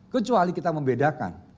kecuali kita membedakan